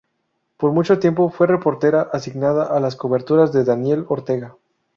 Por mucho tiempo fue reportera asignada a las coberturas de Daniel Ortega.